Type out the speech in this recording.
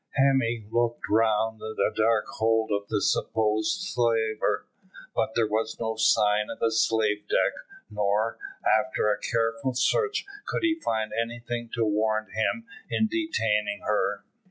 Hemming looked round the dark hold of the supposed slaver, but there was no sign of a slave deck, nor, after a careful search, could he find anything to warrant him in detaining her.